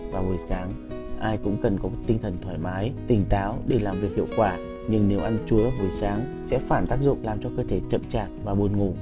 vào buổi sáng ai cũng cần có một tinh thần thoải mái tỉnh táo để làm việc hiệu quả nhưng nếu ăn chúa buổi sáng sẽ phản tác dụng làm cho cơ thể chậm chạp và buồn ngủ